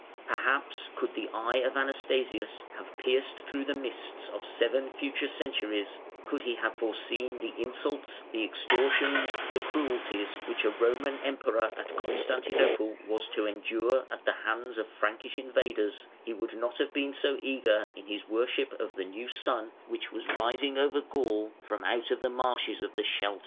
Perhaps could the eye of Anastasius have pierced through the mists of seven future centuries, could he have foreseen the insults, the extortions, the cruelties which a Roman Emperor at Constantinople was to endure at the hands of "Frankish" invaders, he would not have been so eager in his worship of the new sun which was rising over Gaul from out of the marshes of the Scheldt.